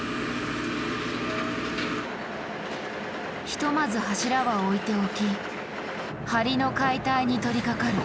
ひとまず柱は置いておき梁の解体に取りかかる。